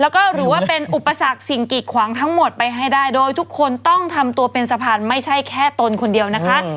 แล้วก็หรือว่าเป็นอุปสรรคสิ่งกิดขวางทั้งหมดไปให้ได้โดยทุกคนต้องทำตัวเป็นสะพานไม่ใช่แค่ตนคนเดียวนะคะ